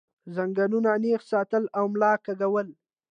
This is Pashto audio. زنګونان نېغ ساتل او ملا کږول